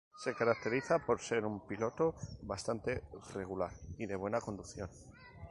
Se caracteriza por ser un piloto bastante regular y de buena conducción.